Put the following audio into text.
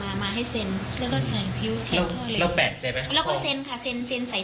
แล้วแบบใจไปเราก็เซ็นค่ะเซ็นใส่ท่อ